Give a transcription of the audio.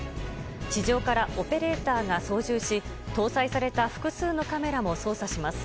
地上からオペレーターが操縦し搭載された複数のカメラも操作します。